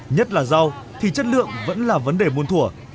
nhất là rau thì chất lượng vẫn là vấn đề muôn thủa